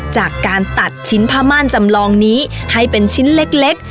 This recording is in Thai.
จากการตัดชิ้นผ้าม่านจำลองนี้ให้เป็นชิ้นเล็ก